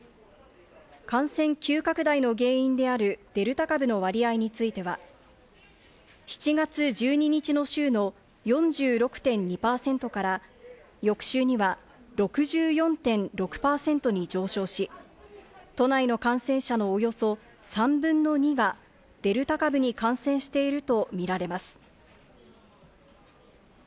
感染急拡大の原因であるデルタ株の割合については、７月１２日の週の４６．２％から翌週には６４．６％に上昇し、都内の感染者のおよそ３分の２がデルタ株に感染していると見られます。